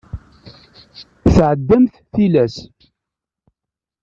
Tɛeddamt tilas.